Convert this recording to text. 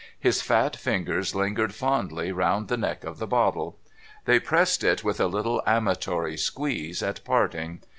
His fat fingers lingered fondly round the neck of the bottle. They pressed it with a little amatory squeeze at parting.